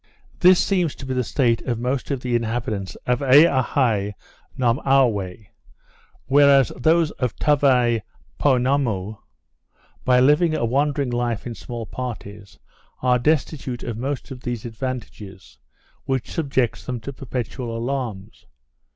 This seems to be the state of most of the inhabitants of Eahei nomauwe; whereas those of Tavai poenammoo, by living a wandering life in small parties, are destitute of most of these advantages, which subjects them to perpetual alarms.